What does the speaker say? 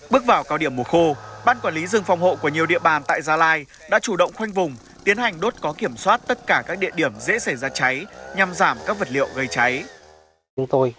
bước vào cao điểm mùa khô bán quản lý rừng phòng hộ của nhiều địa bàn tại gia lai đã chủ động khoanh vùng